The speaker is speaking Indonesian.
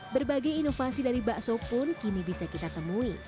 berbagai inovasi dari bakso pun kini bisa kita temui